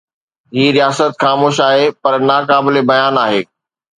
هي رياست خاموش آهي پر ناقابل بيان آهي.